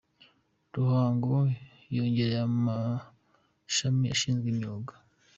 Ruhango yongereye amashami ashinzwe imyuga